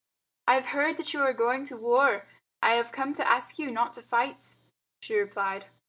"I have heard that you are going to war. I have come to ask you not to fight," she replied.